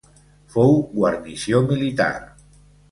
Fou guarnició militar.